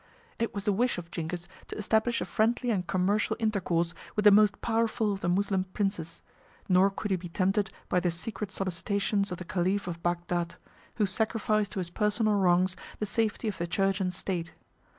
It was the wish of Zingis to establish a friendly and commercial intercourse with the most powerful of the Moslem princes: nor could he be tempted by the secret solicitations of the caliph of Bagdad, who sacrificed to his personal wrongs the safety of the church and state.